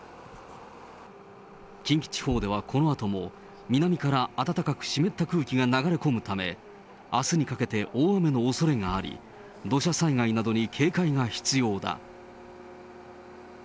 近畿地方ではこのあとも南から暖かく湿った空気が流れ込むため、あすにかけて大雨のおそれがあり、土砂災害などに警戒が必要だ。